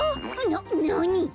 ななに？